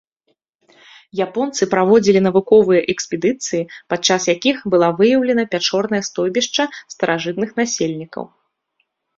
Японцы праводзілі навуковыя экспедыцыі, пад час якіх была выяўлена пячорнае стойбішча старажытных насельнікаў.